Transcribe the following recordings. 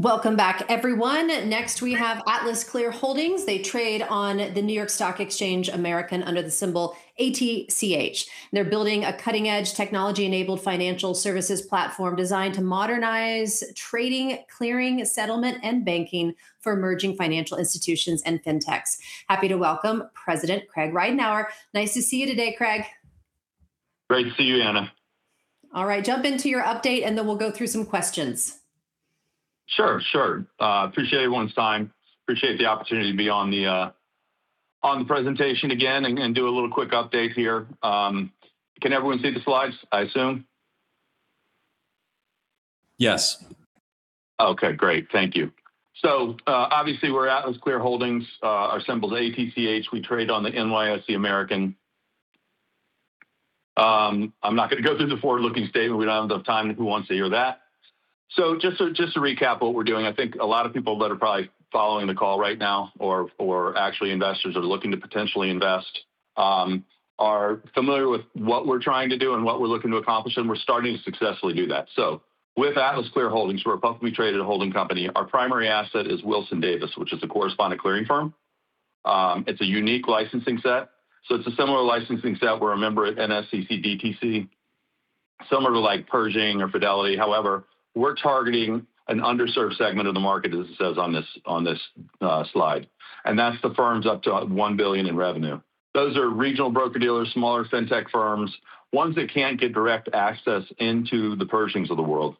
Welcome back everyone. Next we have AtlasClear Holdings. They trade on the NYSE American under the symbol ATCH. They're building a cutting-edge technology-enabled financial services platform designed to modernize trading, clearing, settlement, and banking for emerging financial institutions and fintechs. Happy to welcome President Craig Ridenhour. Nice to see you today, Craig. Great to see you, Anna. All right, jump into your update, and then we'll go through some questions. Sure, sure. Appreciate everyone's time. Appreciate the opportunity to be on the presentation again and do a little quick update here. Can everyone see the slides, I assume? Yes. Okay, great. Thank you. Obviously, we're AtlasClear Holdings, our symbol's ATCH. We trade on the NYSE American. I'm not gonna go through the forward-looking statement. We don't have enough time. Who wants to hear that? Just to recap what we're doing, I think a lot of people that are probably following the call right now or actually investors are looking to potentially invest are familiar with what we're trying to do and what we're looking to accomplish, and we're starting to successfully do that. With AtlasClear Holdings, we're a publicly traded holding company. Our primary asset is Wilson-Davis, which is a correspondent clearing firm. It's a unique licensing set. It's a similar licensing set. We're a member at NSCC/DTC, similar to like Pershing or Fidelity. However, we're targeting an underserved segment of the market as it says on this slide. That's the firms up to 1 billion in revenue. Those are regional broker-dealers, smaller fintech firms, ones that can't get direct access into the Pershings of the world.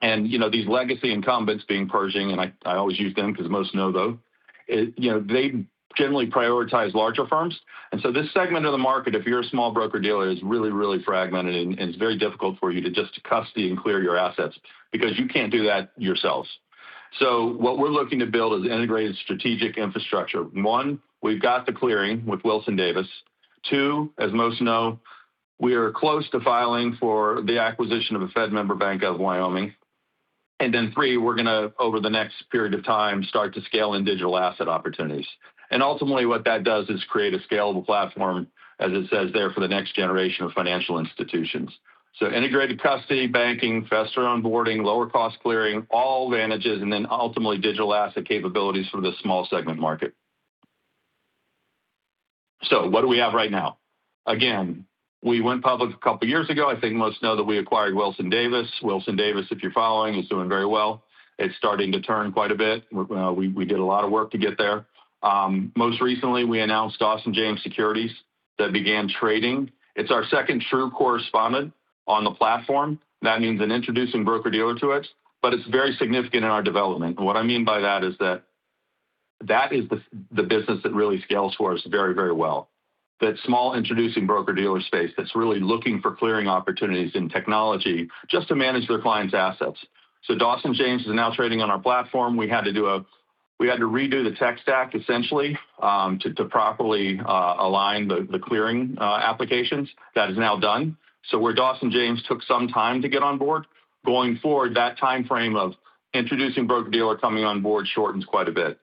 You know, these legacy incumbents being Pershing, and I always use them because most know them. You know, they generally prioritize larger firms. This segment of the market, if you're a small broker-dealer, is really fragmented, and it's very difficult for you to just custody and clear your assets because you can't do that yourselves. What we're looking to build is integrated strategic infrastructure. One, we've got the clearing with Wilson-Davis. Two, as most know, we are close to filing for the acquisition of a Fed member bank of Wyoming. three, we're gonna, over the next period of time, start to scale in digital asset opportunities. Ultimately what that does is create a scalable platform, as it says there, for the next generation of financial institutions. Integrated custody, banking, faster onboarding, lower cost clearing, all advantages, and then ultimately digital asset capabilities for the small segment market. What do we have right now? Again, we went public a couple years ago. I think most know that we acquired Wilson-Davis. Wilson-Davis, if you're following, is doing very well. It's starting to turn quite a bit. We did a lot of work to get there. Most recently, we announced Dawson James Securities that began trading. It's our second true correspondent on the platform. That means an introducing broker-dealer to it, but it's very significant in our development. What I mean by that is that is the business that really scales for us very, very well. That small introducing broker-dealer space that's really looking for clearing opportunities in technology just to manage their clients' assets. Dawson James is now trading on our platform. We had to redo the tech stack essentially, to properly align the clearing applications. That is now done. Where Dawson James took some time to get on board, going forward, that timeframe of introducing broker-dealer coming on board shortens quite a bit.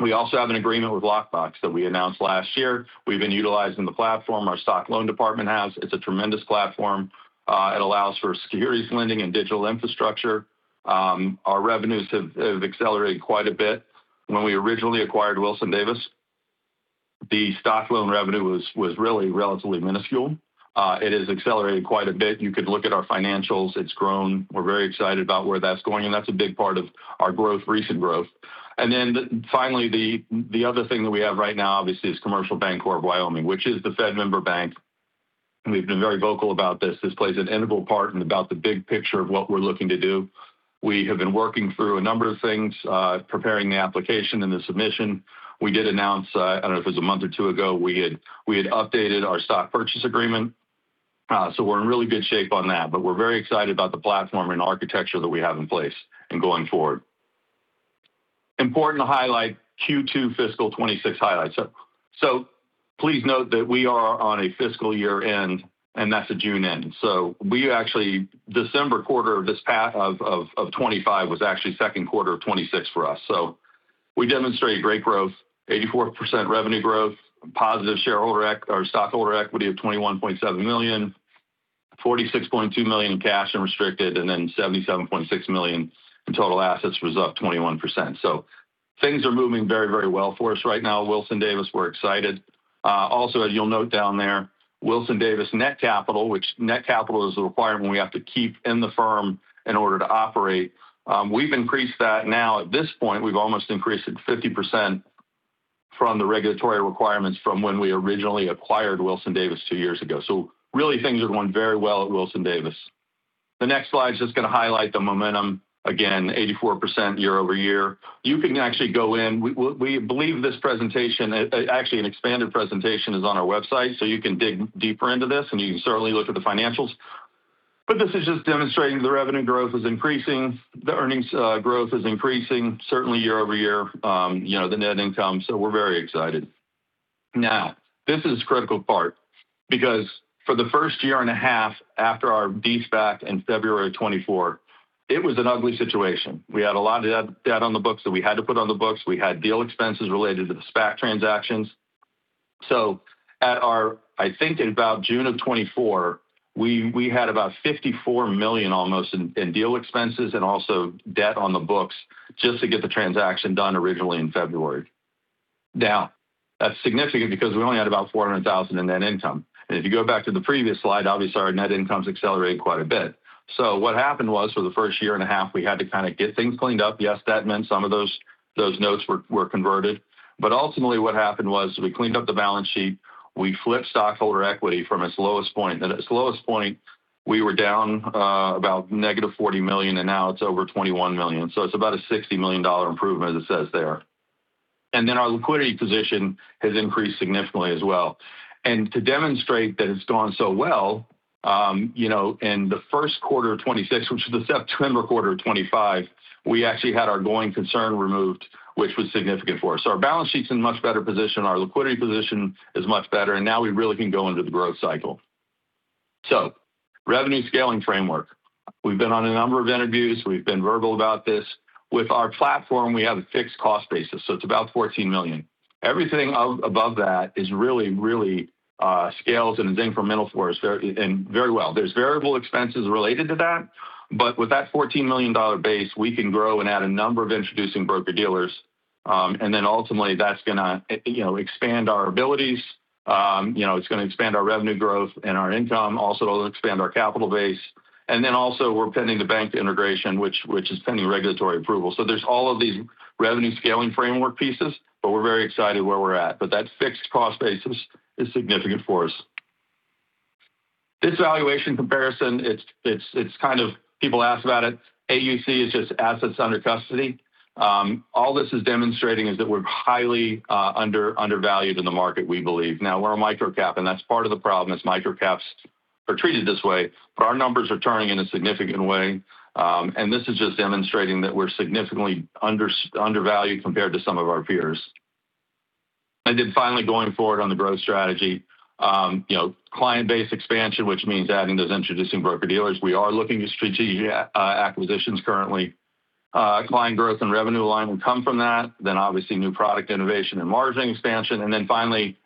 We also have an agreement with LocBox that we announced last year. We've been utilizing the platform, our stock loan department has. It's a tremendous platform. It allows for securities lending and digital infrastructure. Our revenues have accelerated quite a bit. When we originally acquired Wilson-Davis, the stock loan revenue was really relatively minuscule. It has accelerated quite a bit. You could look at our financials. It's grown. We're very excited about where that's going, and that's a big part of our growth, recent growth. Finally, the other thing that we have right now obviously is Commercial Bancorp of Wyoming, which is the Fed member bank, and we've been very vocal about this. This plays an integral part in about the big picture of what we're looking to do. We have been working through a number of things, preparing the application and the submission. We did announce, I don't know if it was a month or two ago, we had updated our stock purchase agreement. We're in really good shape on that, but we're very excited about the platform and architecture that we have in place and going forward. Important to highlight Q2 fiscal 2026 highlights. Please note that we are on a fiscal year-end, and that's a June end. We actually December quarter of this 2025 was actually second quarter of 2026 for us. We demonstrated great growth, 84% revenue growth, positive shareholder or stockholder equity of $21.7 million, $46.2 million in cash and restricted, and then $77.6 million in total assets was up 21%. Things are moving very, very well for us right now. Wilson-Davis, we're excited. Also, as you'll note down there, Wilson-Davis net capital, which net capital is a requirement we have to keep in the firm in order to operate, we've increased that now. At this point, we've almost increased it 50% from the regulatory requirements from when we originally acquired Wilson-Davis two years ago. Really things are going very well at Wilson-Davis. The next slide's just gonna highlight the momentum. Again, 84% year-over-year. You can actually go in. We believe this presentation, actually an expanded presentation is on our website, so you can dig deeper into this, and you can certainly look at the financials. This is just demonstrating the revenue growth is increasing. The earnings growth is increasing certainly year-over-year, you know, the net income, so we're very excited. This is critical part because for the first year and a half after our de-SPAC in February 2024, it was an ugly situation. We had a lot of debt on the books that we had to put on the books. We had deal expenses related to the SPAC transactions. I think in about June 2024, we had about $54 million almost in deal expenses and also debt on the books just to get the transaction done originally in February. Now, that's significant because we only had about $400,000 in net income. If you go back to the previous slide, obviously our net income's accelerated quite a bit. What happened was for the first year and a half, we had to kind of get things cleaned up. Yes, that meant some of those notes were converted. Ultimately what happened was we cleaned up the balance sheet. We flipped stockholder equity from its lowest point. At its lowest point, we were down about -$40 million, and now it's over $21 million. It's about a $60 million improvement as it says there. Our liquidity position has increased significantly as well. To demonstrate that it's gone so well, you know, in the first quarter of 2026, which is the September quarter of 2025, we actually had our going concern removed, which was significant for us. Our balance sheet's in much better position, our liquidity position is much better, and now we really can go into the growth cycle. Revenue scaling framework. We've been on a number of interviews. We've been verbal about this. With our platform, we have a fixed cost basis, so it's about $14 million. Everything above that is really scales and is incremental for us very well. There's variable expenses related to that. With that $14 million base, we can grow and add a number of introducing broker-dealers. Ultimately that's gonna, you know, expand our abilities. You know, it's gonna expand our revenue growth and our income. Also, it'll expand our capital base. Also we're pending the bank integration, which is pending regulatory approval. There's all of these revenue scaling framework pieces, but we're very excited where we're at. That fixed cost basis is significant for us. This valuation comparison, it's kind of. People ask about it. AUC is just assets under custody. All this is demonstrating is that we're highly undervalued in the market, we believe. Now, we're a micro-cap, and that's part of the problem, micro-caps are treated this way. Our numbers are turning in a significant way, and this is just demonstrating that we're significantly undervalued compared to some of our peers. Going forward on the growth strategy, you know, client base expansion, which means adding those introducing broker-dealers. We are looking at strategic acquisitions currently. Client growth and revenue line will come from that. Obviously new product innovation and margin expansion.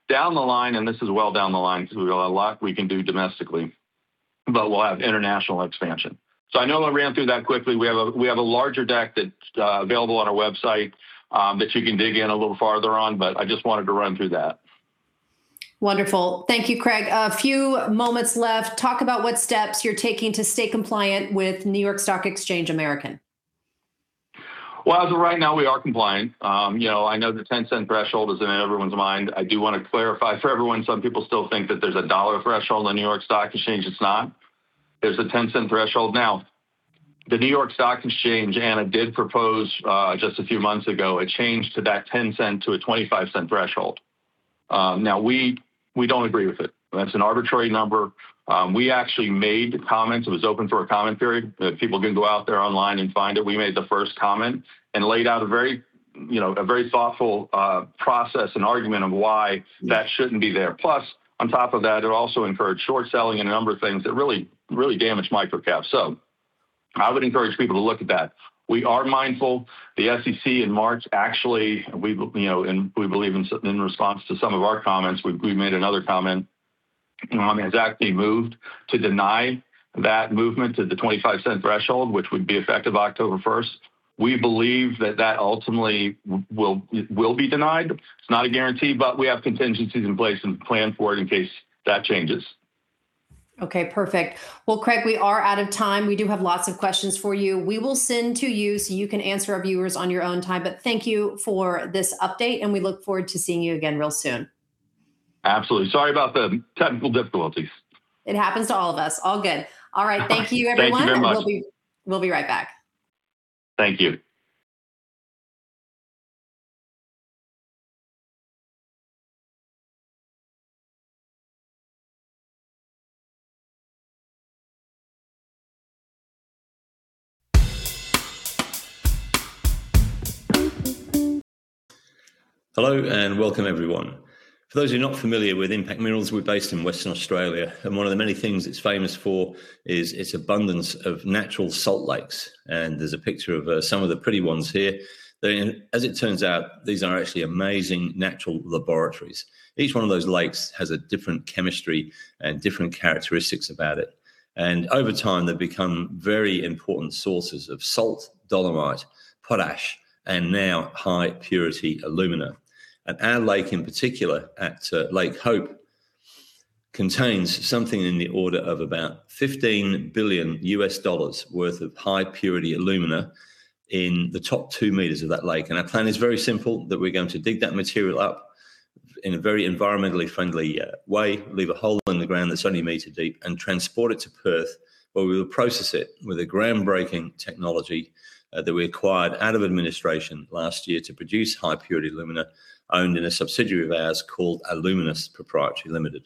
Down the line, and this is well down the line because we've got a lot we can do domestically, but we'll have international expansion. I know I ran through that quickly. We have a larger deck that's available on our website that you can dig in a little farther on, but I just wanted to run through that. Wonderful. Thank you, Craig. A few moments left. Talk about what steps you're taking to stay compliant with New York Stock Exchange American. Well, as of right now, we are compliant. You know, I know the 10-cent threshold is in everyone's mind. I do wanna clarify for everyone, some people still think that there's a $1 threshold on New York Stock Exchange. It's not. There's a 10-cent threshold. Now, the New York Stock Exchange, Anna, did propose just a few months ago a change to that 10-cent to a 25-cent threshold. Now we don't agree with it. That's an arbitrary number. We actually made comments. It was open for a comment period that people can go out there online and find it. We made the first comment and laid out a very, you know, a very thoughtful process and argument of why that shouldn't be there. Plus, on top of that, it also encouraged short selling and a number of things that really, really damage micro-caps. I would encourage people to look at that. We are mindful. The SEC in March, actually, we believe, in response to some of our comments, we've made another comment to deny that movement to the 25-cent threshold, which would be effective October first. We believe that ultimately will be denied. It's not a guarantee, but we have contingencies in place and plan for it in case that changes. Okay, perfect. Well, Craig, we are out of time. We do have lots of questions for you. We will send to you, so you can answer our viewers on your own time. Thank you for this update, and we look forward to seeing you again real soon. Absolutely. Sorry about the technical difficulties. It happens to all of us. All good. All right. Thank you, everyone. Thank you very much. We'll be right back. Thank you. Hello and welcome everyone. For those who are not familiar with Impact Minerals, we're based in Western Australia, and one of the many things it's famous for is its abundance of natural salt lakes. There's a picture of some of the pretty ones here. As it turns out, these are actually amazing natural laboratories. Each one of those lakes has a different chemistry and different characteristics about it. Over time, they've become very important sources of salt, dolomite, potash, and now high purity alumina. Our lake in particular at Lake Hope contains something in the order of about $15 billion worth of high purity alumina in the top two meters of that lake. Our plan is very simple, that we're going to dig that material up in a very environmentally friendly way, leave a hole in the ground that's only a meter deep, and transport it to Perth, where we will process it with a groundbreaking technology that we acquired out of administration last year to produce high purity alumina owned in a subsidiary of ours called Aluminous Proprietary Limited.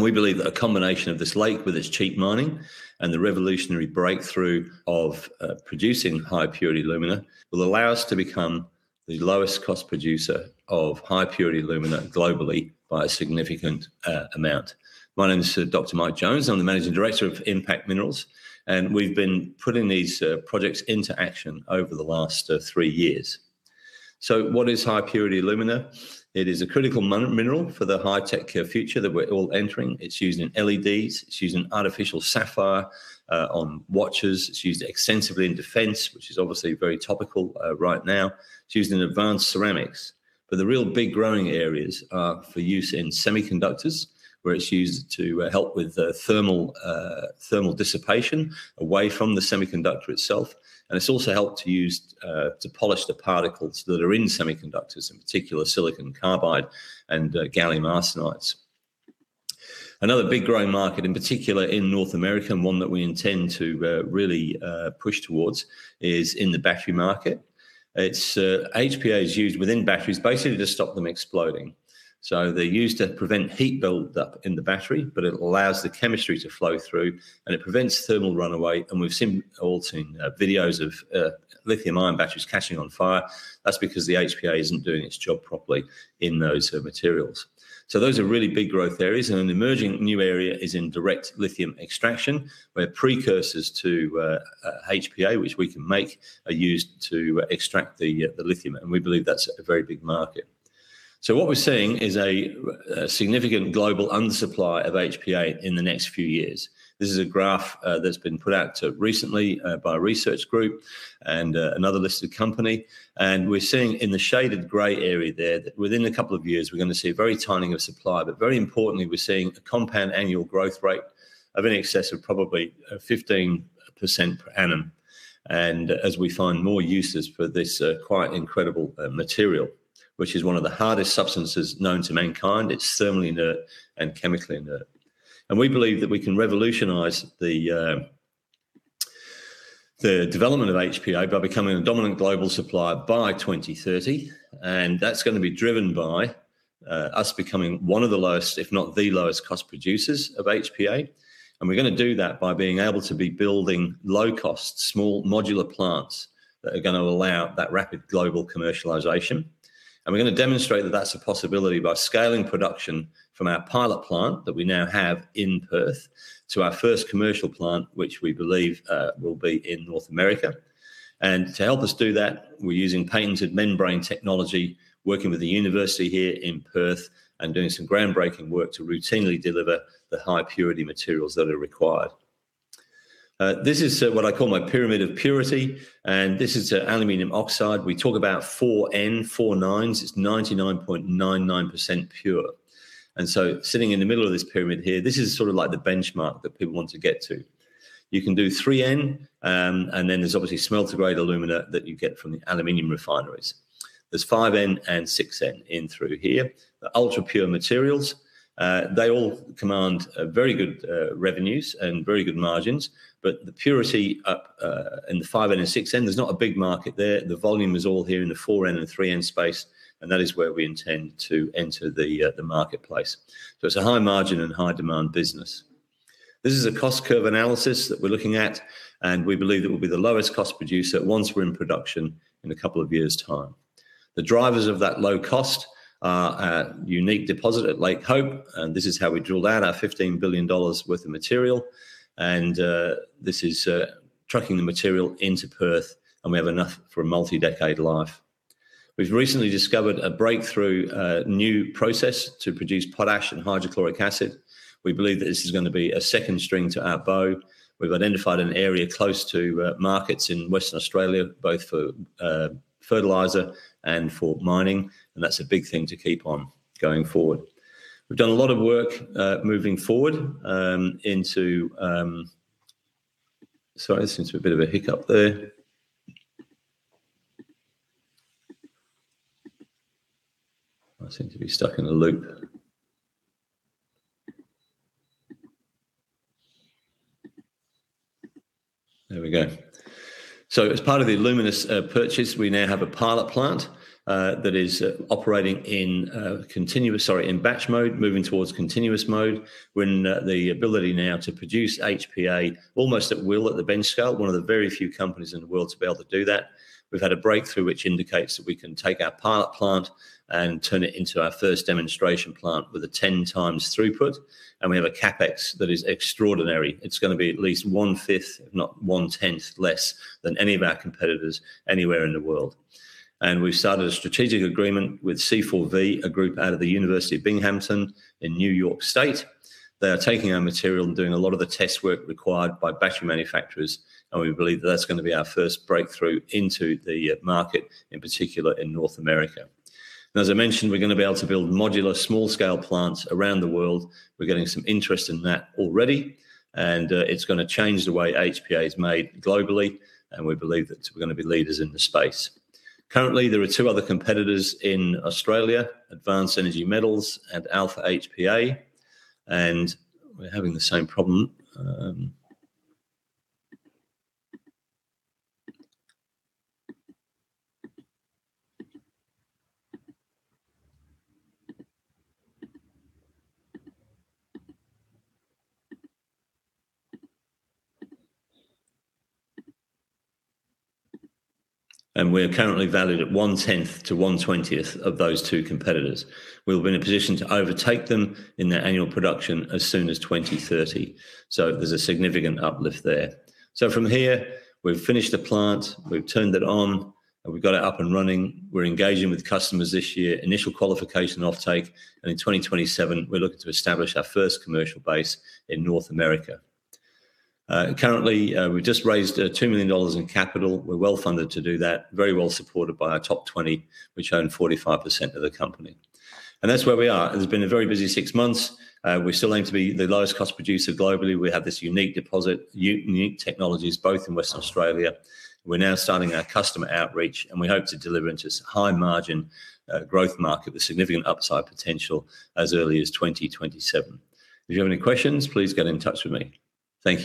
We believe that a combination of this lake with its cheap mining and the revolutionary breakthrough of producing high purity alumina will allow us to become the lowest cost producer of high purity alumina globally by a significant amount. My name is Dr. Mike Jones. I'm the Managing Director of Impact Minerals, and we've been putting these projects into action over the last three years. What is high purity alumina? It is a critical mineral for the high-tech future that we're all entering. It's used in LEDs. It's used in artificial sapphire on watches. It's used extensively in defense, which is obviously very topical right now. It's used in advanced ceramics. The real big growing areas are for use in semiconductors, where it's used to help with the thermal dissipation away from the semiconductor itself. It's also used to polish the particles that are in semiconductors, in particular silicon carbide and gallium arsenide. Another big growing market, in particular in North America, and one that we intend to really push towards is in the battery market. HPA is used within batteries basically to stop them exploding. They're used to prevent heat buildup in the battery, but it allows the chemistry to flow through, and it prevents thermal runaway. We've all seen videos of lithium-ion batteries catching on fire. That's because the HPA isn't doing its job properly in those materials. Those are really big growth areas, and an emerging new area is in Direct Lithium Extraction, where precursors to HPA, which we can make, are used to extract the lithium. We believe that's a very big market. What we're seeing is a significant global undersupply of HPA in the next few years. This is a graph that's been put out recently by a research group and another listed company. We're seeing in the shaded gray area there that within a couple of years, we're gonna see a very tightening of supply. Very importantly, we're seeing a compound annual growth rate of in excess of probably 15% per annum. As we find more uses for this quite incredible material, which is one of the hardest substances known to mankind, it's thermally inert and chemically inert. We believe that we can revolutionize the development of HPA by becoming a dominant global supplier by 2030, and that's gonna be driven by us becoming one of the lowest, if not the lowest cost producers of HPA. We're gonna do that by being able to be building low-cost, small modular plants that are gonna allow that rapid global commercialization. We're gonna demonstrate that that's a possibility by scaling production from our pilot plant that we now have in Perth to our first commercial plant, which we believe will be in North America. To help us do that, we're using patented membrane technology, working with the university here in Perth and doing some groundbreaking work to routinely deliver the high purity materials that are required. This is what I call my pyramid of purity, and this is aluminum oxide. We talk about 4N, four nines. It's 99.99% pure. Sitting in the middle of this pyramid here, this is sort of like the benchmark that people want to get to. You can do 3N, and then there's obviously smelter grade alumina that you get from the aluminum refineries. There's 5N and 6N in through here. Ultra pure materials. They all command very good revenues and very good margins. The purity up in the 5N and 6N, there's not a big market there. The volume is all here in the 4N and the 3N space, and that is where we intend to enter the marketplace. It's a high margin and high demand business. This is a cost curve analysis that we're looking at, and we believe that we'll be the lowest cost producer once we're in production in a couple of years' time. The drivers of that low cost are our unique deposit at Lake Hope, and this is how we drilled out our $15 billion worth of material. This is trucking the material into Perth, and we have enough for a multi-decade life. We've recently discovered a breakthrough new process to produce potash and hydrochloric acid. We believe that this is gonna be a second string to our bow. We've identified an area close to markets in Western Australia, both for fertilizer and for mining, and that's a big thing to keep on going forward. We've done a lot of work moving forward. Sorry, I seem to have a bit of a hiccup there. I seem to be stuck in a loop. There we go. As part of the Aluminous purchase, we now have a pilot plant that is operating in batch mode, moving towards continuous mode. We're in the ability now to produce HPA almost at will at the bench scale, one of the very few companies in the world to be able to do that. We've had a breakthrough which indicates that we can take our pilot plant and turn it into our first demonstration plant with a 10x throughput, and we have a CapEx that is extraordinary. It's gonna be at least one-fifth, if not one-tenth less than any of our competitors anywhere in the world. We've started a strategic agreement with C-4V, a group out of Binghamton University in New York State. They are taking our material and doing a lot of the test work required by battery manufacturers, and we believe that's gonna be our first breakthrough into the market, in particular in North America. Now, as I mentioned, we're gonna be able to build modular small-scale plants around the world. We're getting some interest in that already, and it's gonna change the way HPA is made globally, and we believe that we're gonna be leaders in the space. Currently, there are two other competitors in Australia, Advanced Energy Metals and Alpha HPA, and we're having the same problem. We're currently valued at one-tenth to one-twentieth of those two competitors. We'll be in a position to overtake them in their annual production as soon as 2030. There's a significant uplift there. From here, we've finished the plant, we've turned it on, and we've got it up and running. We're engaging with customers this year, initial qualification offtake, and in 2027, we're looking to establish our first commercial base in North America. Currently, we just raised 2 million dollars in capital. We're well-funded to do that. Very well supported by our top 20, which own 45% of the company. That's where we are. It's been a very busy six months. We still aim to be the lowest cost producer globally. We have this unique deposit, unique technologies both in Western Australia. We're now starting our customer outreach, and we hope to deliver into this high margin, growth market with significant upside potential as early as 2027. If you have any questions, please get in touch with me. Thank you.